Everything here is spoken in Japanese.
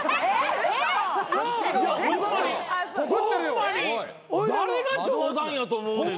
ホンマに誰が冗談やと思うねん